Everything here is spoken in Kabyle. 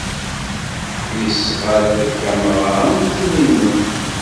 Yesɣa-d takamra am tin-nnem.